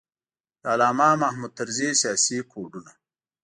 د علامه محمود طرزي سیاسي کوډونه.